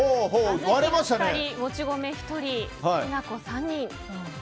小豆が２人もち米１人、きな粉３人。